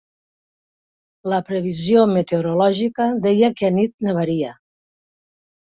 La previsió meteorològica deia que anit nevaria.